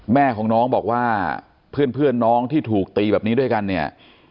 แม่ของน้องบอกว่าเพื่อนน้องที่ถูกตีแบบนี้ด้วยกันเนี่ย